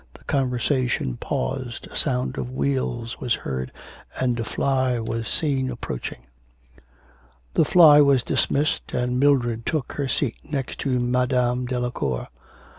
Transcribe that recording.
The conversation paused, a sound of wheels was heard, and a fly was seen approaching. The fly was dismissed, and Mildred took her seat next to Madame Delacour.